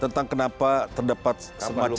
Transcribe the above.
sebenarnya lebih kepada pak rizal malarangga